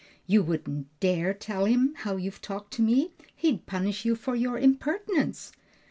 "You wouldn't dare tell him how you've talked to me; he'd punish you for your impertinence."